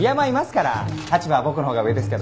立場は僕のほうが上ですけど。